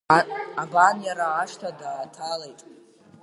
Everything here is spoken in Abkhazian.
Абан, иара ашҭа дааҭалеит.